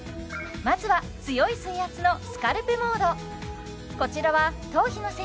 まずは強い水圧のスカルプモード